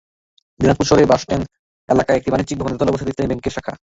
দিনাজপুর শহরের ঢাকা বাসস্ট্যান্ড এলাকায় একটি বাণিজ্যিক ভবনের দোতলায় অবস্থিত ইসলামী ব্যাংকের শাখা।